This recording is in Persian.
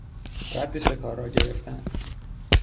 رد شکار را گرفتن